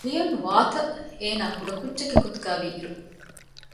ލިއޮން ވާރތަށް އޭނާ ކުޑަކުއްޖެއްގެ ގޮތުގައިވީ އިރު